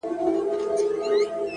• یوه شېبه چي دي نقاب سي د خمارو سترګو,